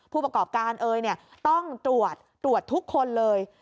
ผู้ประกอบการเอยต้องตรวจตรวจทุกคนเลย